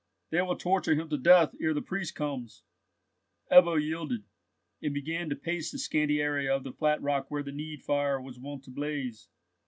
They will torture him to death ere the priest comes." Ebbo yielded, and began to pace the scanty area of the flat rock where the need fire was wont to blaze.